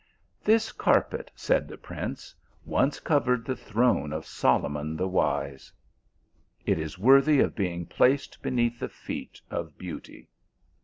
"This carpet," said the prince, "once covered the throne of Solomon the wise ; it is worthy of be ing placed beneath the feet of beauty."